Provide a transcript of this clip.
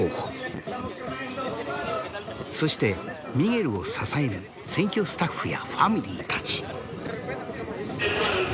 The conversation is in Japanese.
そしてミゲルを支える選挙スタッフやファミリーたち。